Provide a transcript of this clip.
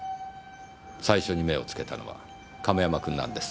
最初に目をつけたのは亀山君なんです。